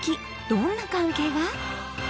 どんな関係が？